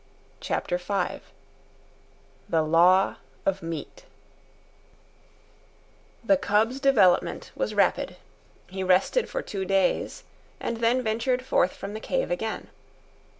CHAPTER V THE LAW OF MEAT The cub's development was rapid. He rested for two days, and then ventured forth from the cave again.